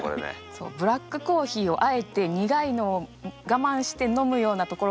そうブラックコーヒーをあえて苦いのを我慢して飲むようなところが中二病っぽいかなと思って。